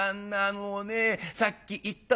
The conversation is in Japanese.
もうねさっき言ったでしょ？